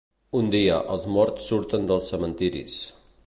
Un dia, els morts surten dels cementiris.